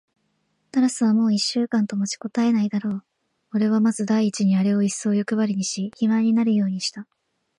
タラスはもう一週間と持ちこたえないだろう。おれはまず第一にあれをいっそうよくばりにし、肥満になるようにした。